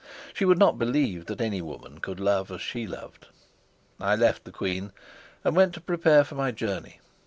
She would not believe that any woman could love as she loved. I left the queen and went to prepare for my journey.